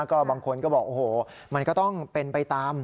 ก็บางคนก็บอกโอ้โหมันก็ต้องเป็นไปตาม